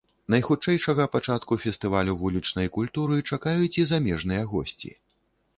Найхутчэйшага пачатку фестывалю вулічнай культуры чакаюць і замежныя госці.